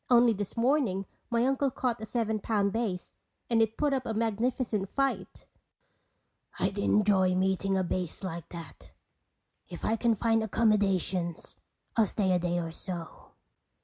"Only this morning my uncle caught a seven pound bass. And it put up a magnificent fight." "I'd enjoy meeting a bass like that. If I can find accommodations I'll stay a day or so."